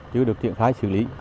chưa được thiện thái xử lý